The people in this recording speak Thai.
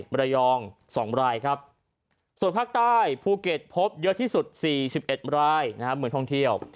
มรายองต์๒รายครับส่วนภาคใต้ภูเก็ตพบเยอะที่สุด๑๑ราย